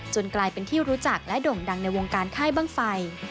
จนกลายเป็นที่รู้จักและด่องดังในวงการไข้เบิ่งไฟ